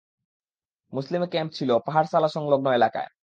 মুসলিম camp ছিল পাহাড় সালা সংলগ্ন এলাকায়।